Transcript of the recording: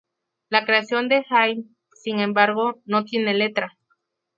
La Creación de Haydn, sin embargo, no tiene letra.